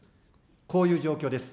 こういう状況です。